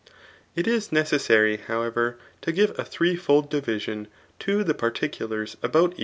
. it is necessary, hqwev^r, tagive a threefold! division to the particulars a^out